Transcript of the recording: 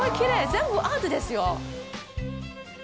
全部、アートですよ。